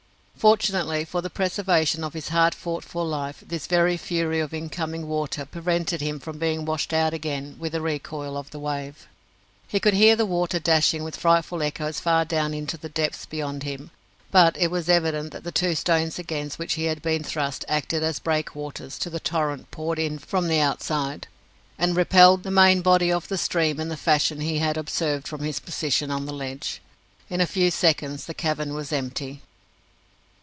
Fortunately for the preservation of his hard fought for life, this very fury of incoming water prevented him from being washed out again with the recoil of the wave. He could hear the water dashing with frightful echoes far down into the depths beyond him, but it was evident that the two stones against which he had been thrust acted as breakwaters to the torrent poured in from the outside, and repelled the main body of the stream in the fashion he had observed from his position on the ledge. In a few seconds the cavern was empty.